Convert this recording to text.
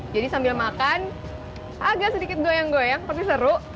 jadi sambil makan agak sedikit goyang goyang pasti seru